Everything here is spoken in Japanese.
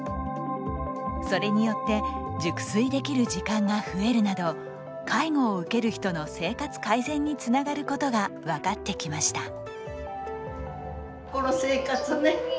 それによって熟睡できる時間が増えるなど介護を受ける人の生活改善につながることが分かってきました。